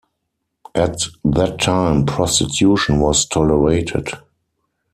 At that time prostitution was tolerated.